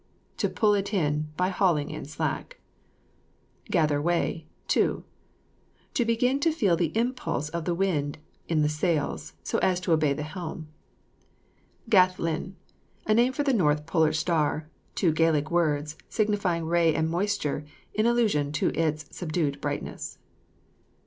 To pull it in, by hauling in slack. GATHER WAY, TO. To begin to feel the impulse of the wind on the sails, so as to obey the helm. GATH LINN. A name of the north polar star; two Gaelic words, signifying ray and moisture, in allusion to its subdued brightness.